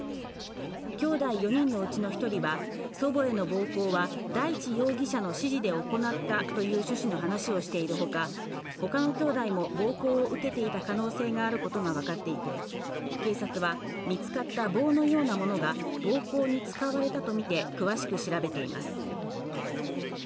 きょうだい４人のうちの１人は、祖母への暴行は大地容疑者の指示で行ったという趣旨の話をしている他、他のきょうだいも暴行を受けていた可能性があることがわかっていて警察は見つかった棒のようなものが暴行に使われたとみて詳しく調べています。